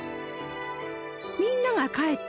みんなが帰った